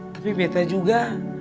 tapi beta juga